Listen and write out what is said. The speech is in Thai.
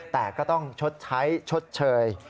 แต่ก็ต้องชดใช้ชดเชย